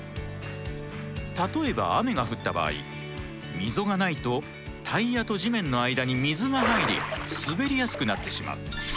例えば雨が降った場合溝がないとタイヤと地面の間に水が入り滑りやすくなってしまう。